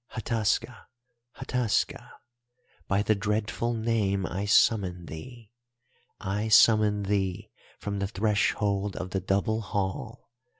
Hataska! Hataska!_ "'By the dreadful Name I summon thee. "'I summon thee from the threshold of the Double Hall.